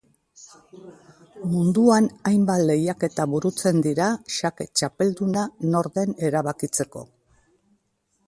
Munduan hainbat lehiaketa burutzen dira xake txapelduna nor den erabakitzeko.